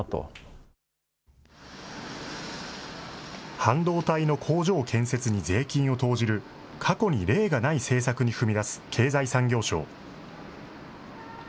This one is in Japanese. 半導体の工場建設に税金を投じる過去に例がない政策に踏み出す、経済産業省。